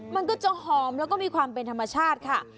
มันก็จะหอมแล้วก็มีความเป็นธรรมชาติค่ะ